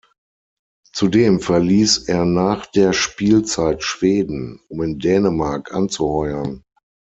Zudem verließ er nach der Spielzeit Schweden, um in Dänemark anzuheuern.